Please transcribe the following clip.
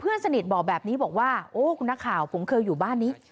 สนิทบอกแบบนี้บอกว่าโอ้คุณนักข่าวผมเคยอยู่บ้านนี้